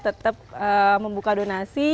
tetap membuka donasi